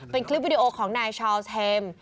เป็นคลิปวิดีโอของนายชาวเทม